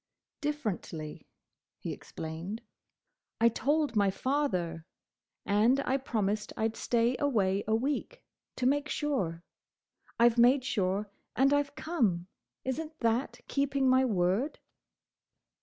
"Differently," he explained. "I told my father; and I promised I 'd stay away a week, to make sure. I 've made sure, and I 've come. Is n't that keeping my word?"